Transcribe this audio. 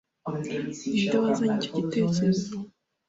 Ninde wazanye icyo gitekerezo?